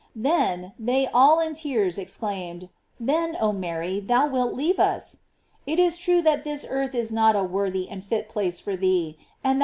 Then, they all in tears exclaimed, then, oh Mary, thou wilt leave us ! It is true that this earth is not a worthy and fit place for thee, and that we * S.